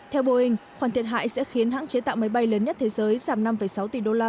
theo boeing khoản thiệt hại sẽ khiến hãng chế tạo máy bay lớn nhất thế giới giảm năm sáu tỷ đô la